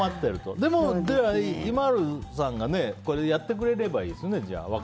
ＩＭＡＬＵさんがやってくれればいいですよね。